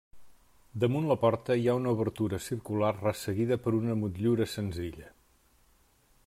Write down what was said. Damunt la porta hi ha una obertura circular resseguida per una motllura senzilla.